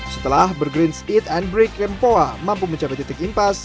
setelah burgrins eat and break rempoa mampu mencapai titik impas